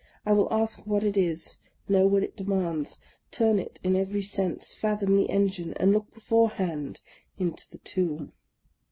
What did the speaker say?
I will ask what it is, know what it demands, turn it in every sense, fathom the enigma, and look before hand into the tomb.